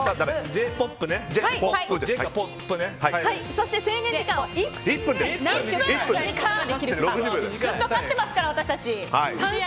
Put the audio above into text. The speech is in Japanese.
ずっと勝ってますから私たち。